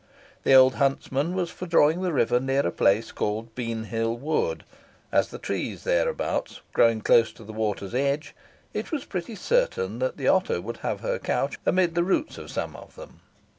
The old huntsman was for drawing the river near a place called Bean Hill Wood, as the trees thereabouts, growing close to the water's edge, it was pretty certain the otter would have her couch amid the roots of some of them.